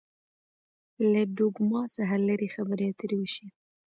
له ډوګما څخه لري خبرې اترې وشي.